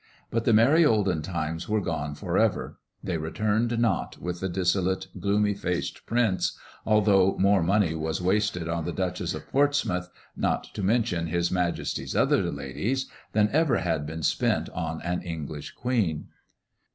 But the merry olden times were gone for ever; they returned not with the dissolute, gloomy faced prince, although more money was wasted on the Duchess of Portsmouth not to mention His Majesty's other ladies than ever had been spent on an English queen.